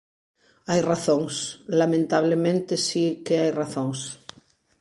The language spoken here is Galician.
Hai razóns; lamentablemente, si que hai razóns.